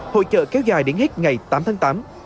hội trợ kéo dài đến hết ngày tám tháng tám